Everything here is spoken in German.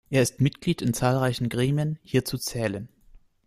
Er ist Mitglied in zahlreichen Gremien, hierzu zählen